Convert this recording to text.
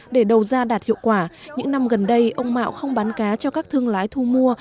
để đầu ra đạt hiệu quả những năm gần đây ông mạo không bán cá cho các thương lái thu mua